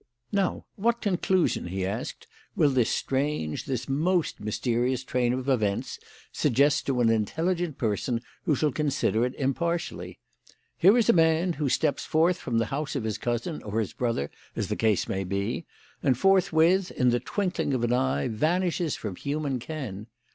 "Now, what conclusion," he asked, "will this strange, this most mysterious train of events suggest to an intelligent person who shall consider it impartially? Here is a man who steps forth from the house of his cousin or his brother, as the case may be, and forthwith, in the twinkling of an eye, vanishes from human ken.